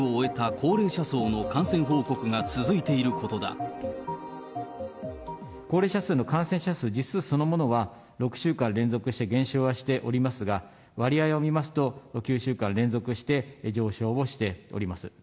高齢者層の感染者数、実数そのものは６週間連続して減少はしておりますが、割合を見ますと、９週間連続して上昇をしております。